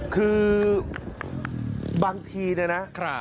คือบางทีนะนะ